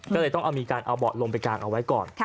ก็เลยต้องเอามีการเอาเบาะลมไปกางเอาไว้ก่อน